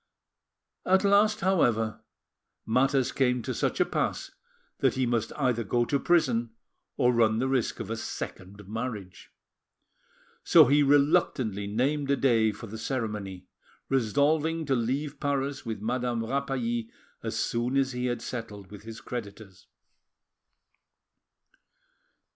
At last, however, matters came to such a pass that he must either go to prison or run the risk of a second marriage. So he reluctantly named a day for the ceremony, resolving to leave Paris with Madame Rapally as soon as he had settled with his creditors.